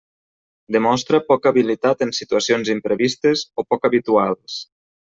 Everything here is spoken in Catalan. Demostra poca habilitat en situacions imprevistes o poc habituals.